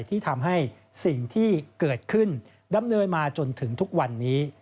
ที่ทำให้สิ่งที่เกิดขึ้นดำเนินมาจนถึงทุกวันนี้